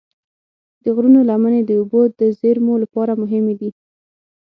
د غرونو لمنې د اوبو د زیرمو لپاره مهمې دي.